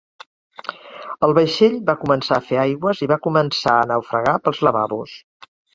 El vaixell va començar a fer aigües i va començar a naufragar pels lavabos.